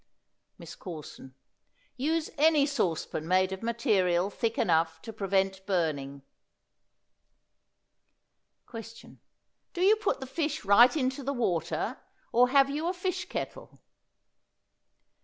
MISS CORSON. Use any saucepan made of material thick enough to prevent burning. Question. Do you put the fish right into the water, or have you a fish kettle?